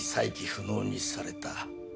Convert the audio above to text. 不能にされた。